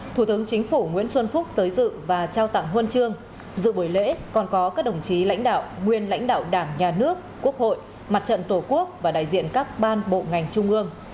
thủ tướng chính phủ nguyễn xuân phúc tới dự và trao tặng huân chương dự buổi lễ còn có các đồng chí lãnh đạo nguyên lãnh đạo đảng nhà nước quốc hội mặt trận tổ quốc và đại diện các ban bộ ngành trung ương